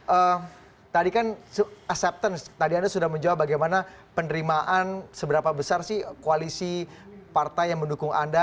eee tadi kan acceptance tadi anda sudah menjawab bagaimana penerimaan seberapa besar sih koalisi partai yang mendukung anda